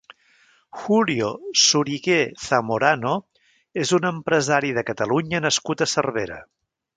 Julio Sorigué Zamorano és un empresari de Catalunya nascut a Cervera.